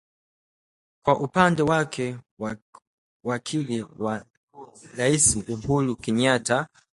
Kwa upande wake wakili wa rais Uhuru Kenyatta